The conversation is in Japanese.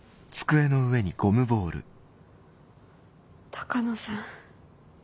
鷹野さん。